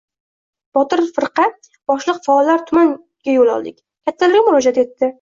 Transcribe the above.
Shunda Botir firqa boshliq faollar tuman yo‘l oldi. Kattalarga murojaat etdi.